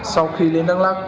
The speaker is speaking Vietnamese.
sau khi đến đắk lắk